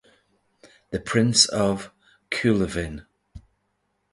"The Prince of Coolavin"